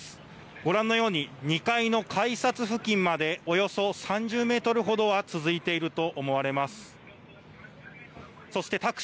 ご覧のように２階の改札付近までおよそ３０メートルほどは続いていると思われます。